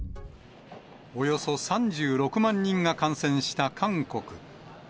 およそ３６万人が感染した韓国。